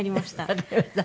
わかりました。